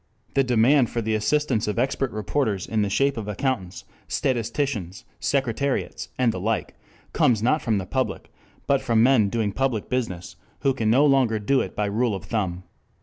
The demand for the assistance of expert reporters in the shape of accountants, statisticians, secretariats, and the like, comes not from the public, but from men doing public business, who can no longer do it by rule of thumb.